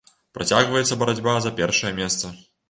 Працягваецца барацьба за першае месца.